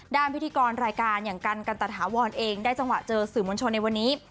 พิธีกรรายการอย่างกันกันตะถาวรเองได้จังหวะเจอสื่อมวลชนในวันนี้